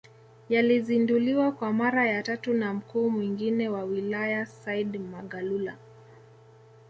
Yalizinduliwa kwa mara ya tatu na mkuu mwingine wa wilaya Said Magalula